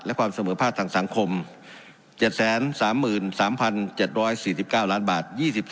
และความเสมอภาคทางสังคม๗๓๓๗๔๙ล้านบาท